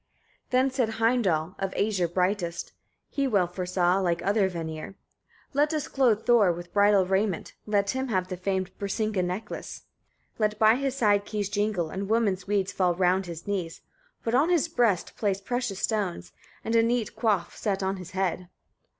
16. Then said Heimdall, of Æsir brightest he well foresaw, like other Vanir "Let us clothe Thor with bridal raiment, let him have the famed Brisinga necklace. 17. "Let by his side keys jingle, and woman's weeds fall round his knees, but on his breast place precious stones, and a neat coif set on his head."